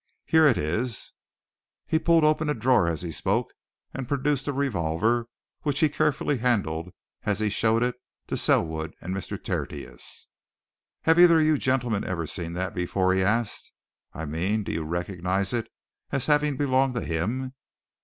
Here it is." He pulled open a drawer as he spoke and produced a revolver which he carefully handled as he showed it to Selwood and Mr. Tertius. "Have either of you gentlemen ever seen that before?" he asked. "I mean do you recognize it as having belonged to him?